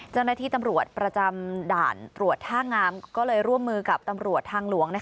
เจ้าหน้าที่ตำรวจประจำด่านตรวจท่างามก็เลยร่วมมือกับตำรวจทางหลวง